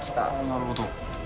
なるほど。